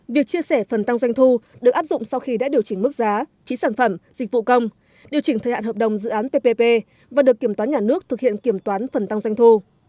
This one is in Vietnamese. việc chia sẻ phần tăng doanh thu được áp dụng sau khi đã điều chỉnh mức giá khí sản phẩm dịch vụ công điều chỉnh thời hạn hợp đồng dự án ppp và được kiểm toán nhà nước thực hiện kiểm toán phần tăng doanh thu